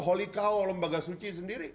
holy cow lembaga suci sendiri